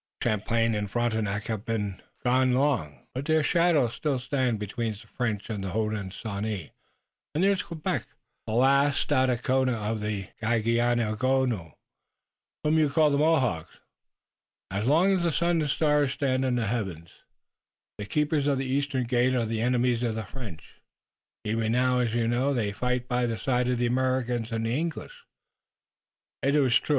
Champlain and Frontenac have been gone long, but their shadows still stand between the French and the Hodenosaunee, and there is Quebec, the lost Stadacona of the Ganegaono, whom you call the Mohawks. As long as the sun and stars stand in the heavens the Keepers of the Eastern Gate are the enemies of the French. Even now, as you know, they fight by the side of the Americans and the English." "It is true.